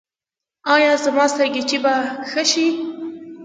ایا زما سرگیچي به ښه شي؟